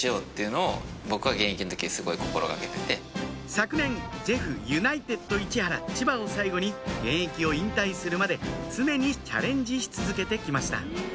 昨年ジェフユナイテッド市原・千葉を最後に現役を引退するまで常にチャレンジし続けて来ました